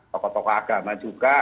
tokoh tokoh agama juga